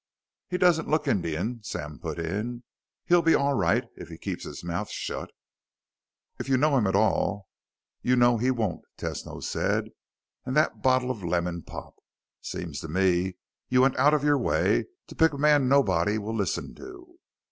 "He doesn't look Indian," Sam put in. "He'll be all right if he keeps his mouth shut." "If you know him at all, you know he won't," Tesno said. "And that bottle of lemon pop! Seems to me you went out of your way to pick a man nobody will listen to."